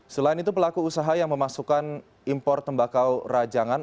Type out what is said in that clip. selain itu pelaku usaha yang memasukkan impor tembakau rajangan